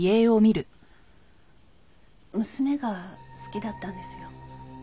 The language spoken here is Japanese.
娘が好きだったんですよ。